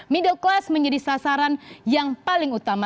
middle class menjadi sasaran yang paling utama